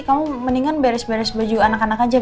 kamu mendingan beres beres baju anak anak aja